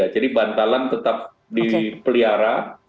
jadi bantalan tetap dipelihara